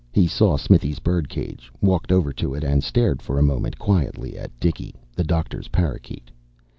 He saw Smithy's birdcage, walked over to it and stared for a moment quietly at Dicky, the doctor's parakeet.